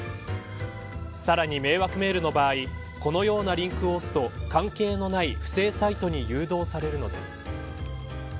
さらに迷惑メールの場合このようなリンクを押すと関係のない不正サイトへ誘導されるのです。